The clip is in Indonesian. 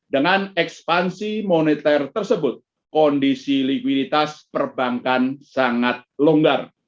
dengan ekspansi monitor tersebut kondisi likuiditas perbankan sangat longgar